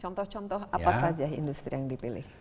contoh contoh apa saja industri yang dipilih